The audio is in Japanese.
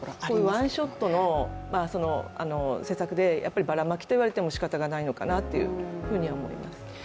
ワンショットの政策でばらまきと言われてもしかたないのかなというふうには思います。